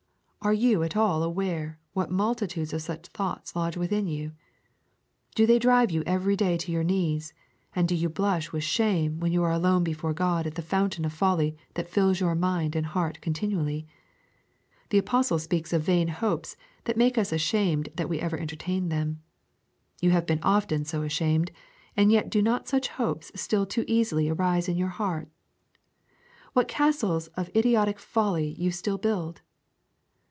Are you at all aware what multitudes of such thoughts lodge within you? Do they drive you every day to your knees, and do you blush with shame when you are alone before God at the fountain of folly that fills your mind and your heart continually? The Apostle speaks of vain hopes that make us ashamed that we ever entertained them. You have been often so ashamed, and yet do not such hopes still too easily arise in your heart? What castles of idiotic folly you still build!